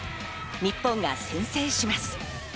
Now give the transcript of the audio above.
日本が先制します。